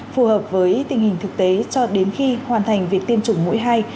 phù hợp với tình hình thực tế cho đến khi hoàn thành việc tiêm chủng mũi hai